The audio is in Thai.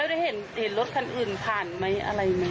แล้วได้เห็นรถอื่นผ่านไหมอะไรไหม